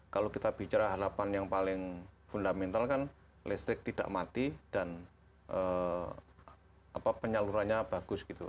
kalau kita bicara harapan yang paling fundamental kan listrik tidak mati dan penyalurannya bagus gitu